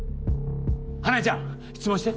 花恵ちゃん質問して。